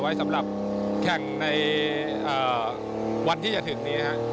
ไว้สำหรับแข่งในวันที่จะถึงนี้ครับ